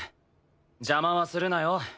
邪魔はするなよ。